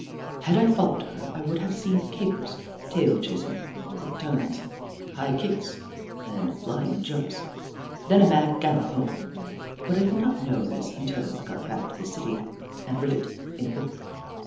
Had I followed her I would have seen capers, tail chasing, quick turns, high kicks, and flying jumps, then a mad gal lop home, but I did not know this until I got Hoop La 151 back to the city and read it in a book.